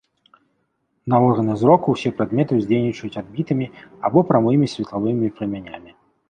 На органы зроку ўсе прадметы уздзейнічаюць адбітымі або прамымі светлавымі прамянямі.